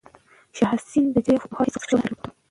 شاه حسین د جګړې او فتوحاتو هیڅ شوق نه درلود.